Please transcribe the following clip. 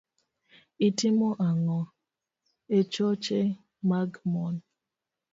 itimo ang'o e choche mag mon